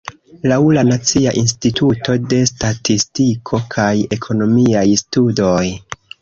Laŭ la Nacia Instituto de Statistiko kaj Ekonomiaj Studoj.